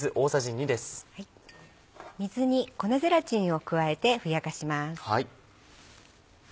水に粉ゼラチンを加えてふやかします。